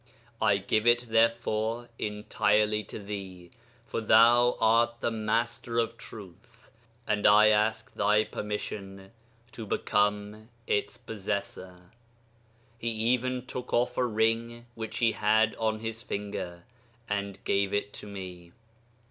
I give it therefore entirely to thee, for thou art the Master of Truth, and I ask thy permission to become its possessor." He even took off a ring which he had on his finger, and gave it to me.